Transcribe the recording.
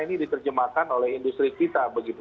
ini diterjemahkan oleh industri kita begitu